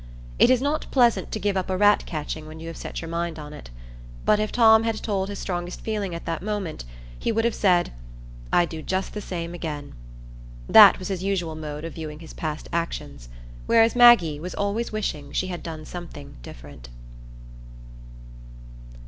It is not pleasant to give up a rat catching when you have set your mind on it. But if Tom had told his strongest feeling at that moment, he would have said, "I'd do just the same again." That was his usual mode of viewing his past actions; whereas Maggie was always wishing she had done something different.